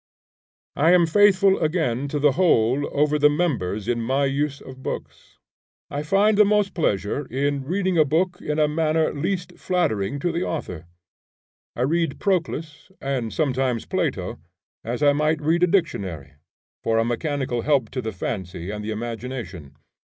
I am faithful again to the whole over the members in my use of books. I find the most pleasure in reading a book in a manner least flattering to the author. I read Proclus, and sometimes Plato, as I might read a dictionary, for a mechanical help to the fancy and the imagination.